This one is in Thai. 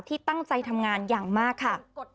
ที่ตั้งใจทำงานอย่างมากค่ะ